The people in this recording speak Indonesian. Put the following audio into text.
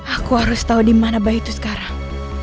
aku harus tahu di mana bayi itu sekarang